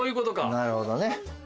なるほどね。